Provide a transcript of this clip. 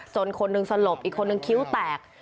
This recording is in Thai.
คนหนึ่งสลบอีกคนนึงคิ้วแตก